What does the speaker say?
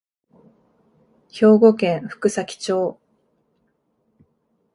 兵庫県福崎町